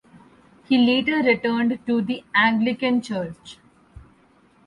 He later returned to the Anglican church.